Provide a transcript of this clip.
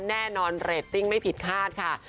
แน่นอนเรตติ้งไม่ผิดคาดค่ะ